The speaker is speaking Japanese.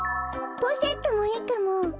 ポシェットもいいかも！